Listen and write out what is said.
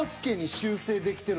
修正できてる。